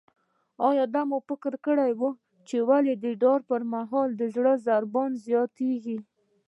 آیا مو فکر کړی چې ولې د ډار پر مهال د زړه ضربان زیاتیږي؟